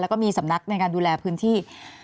แล้วก็มีสำนักในการดูแลพื้นที่